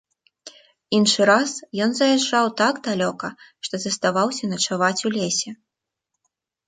Іншы раз ён заязджаў так далёка, што заставаўся начаваць у лесе.